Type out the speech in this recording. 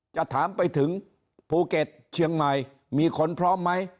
จะถามไปถึงภูเก็ตเชียงใหม่มีคนพร้อมไหม